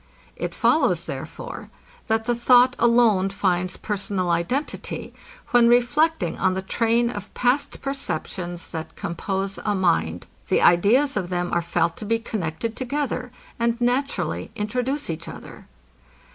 It follows, therefore, that the thought alone finds personal identity, when reflecting on the train of past perceptions, that compose a mind, the ideas of them are felt to be connected together, and naturally introduce each other.